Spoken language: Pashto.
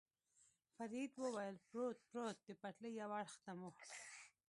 فرید وویل: پروت، پروت، د پټلۍ یو اړخ ته مو.